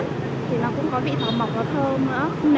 thì nó cũng có vị thảo mộng và thơm nữa